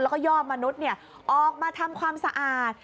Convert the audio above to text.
และย่อมนุษย์ออกมาทำความสะอาด